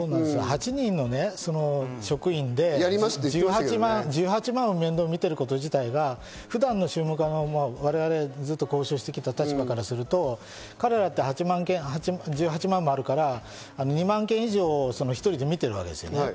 ８人の職員で１８万の面倒を見ていること自体が普段の宗務課、我々、ずっと交渉してきた立場からすると彼ら、１８万件もあるから、２万件以上を１人で見てるわけです。